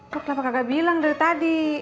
kok kenapa kagak bilang dari tadi